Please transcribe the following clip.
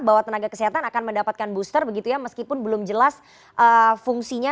bahwa tenaga kesehatan akan mendapatkan booster begitu ya meskipun belum jelas fungsinya